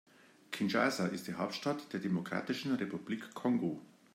Kinshasa ist die Hauptstadt der Demokratischen Republik Kongo.